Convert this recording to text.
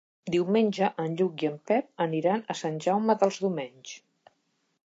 Diumenge en Lluc i en Pep aniran a Sant Jaume dels Domenys.